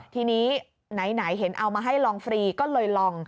ทีนี้ไหนเห็นเอามาให้ลองฟรีก็เลยลอง